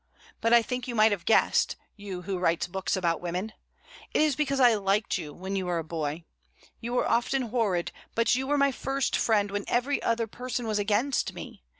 But I think you might have guessed, you who write books about women. It is because I liked you when you were a boy. You were often horrid, but you were my first friend when every other person was against me.